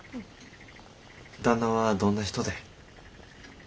旦那はどんな人でえ？